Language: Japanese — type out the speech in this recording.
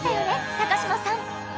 高嶋さん。